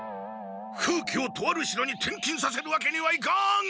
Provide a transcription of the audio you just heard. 風鬼をとある城に転勤させるわけにはいかん！